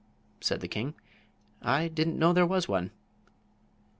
said the king. "I didn't know there was one."